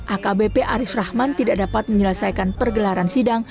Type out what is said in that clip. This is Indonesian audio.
akbp arief rahman tidak dapat menyelesaikan pergelaran sidang